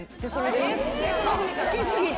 好き過ぎて？